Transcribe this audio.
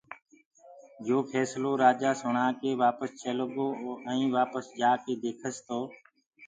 يو ڦيسلو سڻآ ڪي رآجآ وآپس چيلو گو ائين وآپس جآڪي ديکس تو